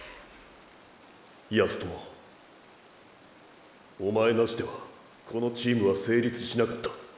靖友おまえなしではこのチームは成立しなかった。